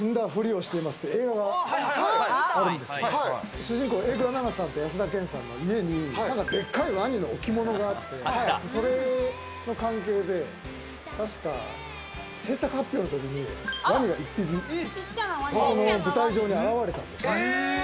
主人公の榮倉奈々さんと安田顕さんの家に、でっかいワニの置き物があって、その関係で制作発表の時にワニが一匹、舞台上に現れたんです。